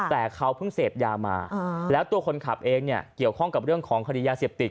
แต่เขาเพิ่งเสพยามาแล้วตัวคนขับเองเนี่ยเกี่ยวข้องกับเรื่องของคดียาเสพติด